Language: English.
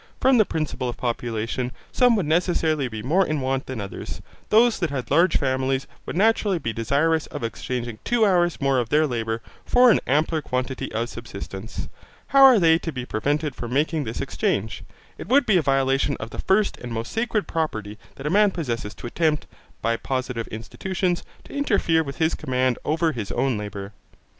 From the principle of population, some would necessarily be more in want than others. Those that had large families would naturally be desirous of exchanging two hours more of their labour for an ampler quantity of subsistence. How are they to be prevented from making this exchange? it would be a violation of the first and most sacred property that a man possesses to attempt, by positive institutions, to interfere with his command over his own labour.